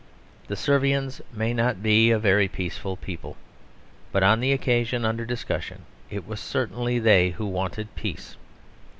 The Servians may not be a very peaceful people; but, on the occasion under discussion, it was certainly they who wanted peace.